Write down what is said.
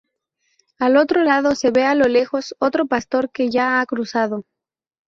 Al otro lado se ve a lo lejos otro pastor que ya ha cruzado.